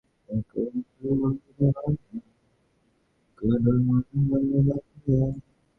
তিনি কলকাতায় তাঁর পিতামাতার বাড়িতে ব্রহ্মচারী হিসাবে বসবাস করতে থাকেন।